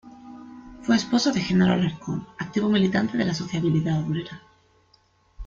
Fue esposa de Jenaro Alarcón, activo militante de la sociabilidad obrera.